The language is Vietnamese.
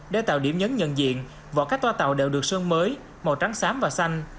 để tạo điểm nhấn nhân diện vỏ các toa tàu đều được sơn mới màu trắng xám và xanh